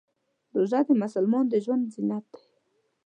روژه د مسلمان د ژوند زینت دی.